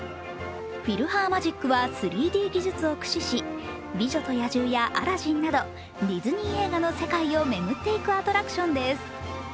フィルハーマジックは３Ｄ技術を駆使し「美女と野獣」や「アラジン」などディズニー映画の世界を巡っていくアトラクションです。